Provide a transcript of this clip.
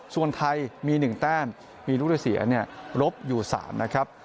ส่วนไทยมีหนึ่งแต้นมีลูกได้เสียเนี่ยลบอยู่สามนะครับ